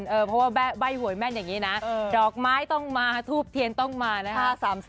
เพราะว่าใบ้หวยแม่นอย่างนี้นะดอกไม้ต้องมาทูบเทียนต้องมานะคะ